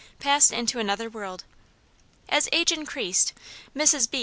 passed into another world. As age increased, Mrs. B.